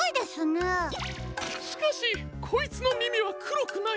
しかしこいつのみみはくろくない。